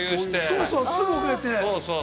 ◆そうそう、すぐ送れて。